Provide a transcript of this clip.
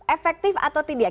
efektif atau tidak